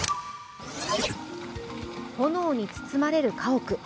炎に包まれる家屋。